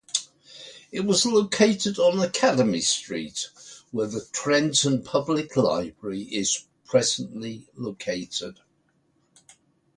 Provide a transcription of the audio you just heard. It was located on Academy Street where the Trenton Public Library is presently located.